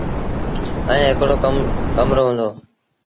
ائيٚݩ هڪڙو ڪمرو هُݩدو ۔